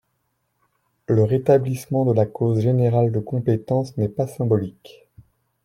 Le rétablissement de la clause générale de compétence n’est pas symbolique.